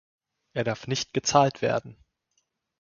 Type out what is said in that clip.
Er darf nicht gezahlt werden.